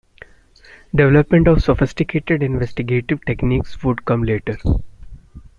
Development of sophisticated investigative techniques would come later.